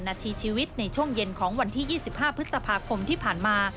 นาทีชีวิตในช่วงเย็นของวันที่๒๕พฤษภาคมที่ผ่านมา